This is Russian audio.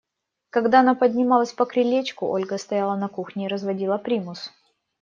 Когда она поднималась по крылечку, Ольга стояла на кухне и разводила примус.